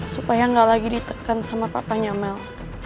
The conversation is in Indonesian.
supaya nggak lagi ditekan sama papanya mel